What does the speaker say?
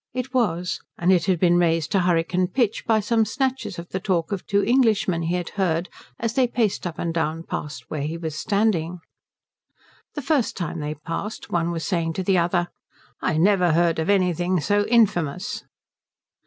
It was; and it had been raised to hurricane pitch by some snatches of the talk of two Englishmen he had heard as they paced up and down past where he was standing. The first time they passed, one was saying to the other, "I never heard of anything so infamous."